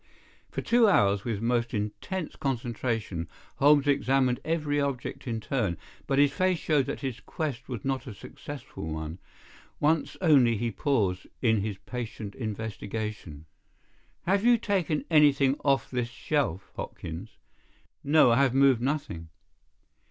For two hours, with most intense concentration, Holmes examined every object in turn, but his face showed that his quest was not a successful one. Once only he paused in his patient investigation. "Have you taken anything off this shelf, Hopkins?" "No, I have moved nothing."